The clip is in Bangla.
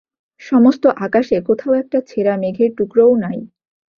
সমস্ত আকাশে কোথাও একটা ছেঁড়া মেঘের টুকরোও নাই।